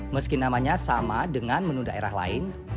meski namanya sama dengan menu daerah lain